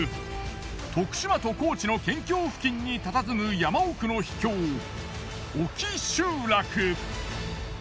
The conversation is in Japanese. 徳島と高知の県境付近にたたずむ山奥の秘境沖集落。